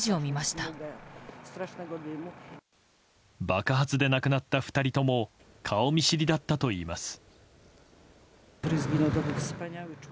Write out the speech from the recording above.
爆発で亡くなった２人とも顔見知りだったといいます。